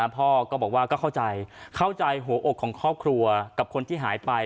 พ่อก็บอกว่าก็เข้าใจเข้าใจหัวอกของครอบครัวกับคนที่หายไป